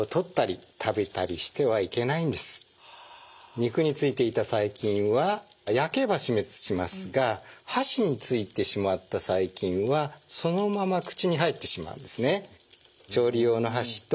肉についていた細菌は焼けば死滅しますが箸についてしまった細菌はそのまま口に入ってしまうんですね。